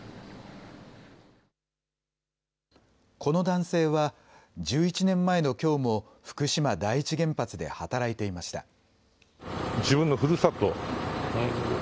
この男性は１１年前のきょうも福島第一原発で働いていました。